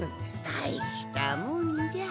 たいしたもんじゃ！